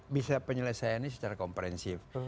bisa penyelesaiannya secara komprensif